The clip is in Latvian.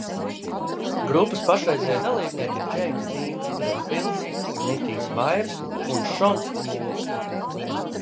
Grupas pašreizējie dalībnieki ir Džeimss Dīns Bredfīlds, Nikijs Vairs un Šons Mūrs.